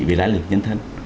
về lãi lực nhân thân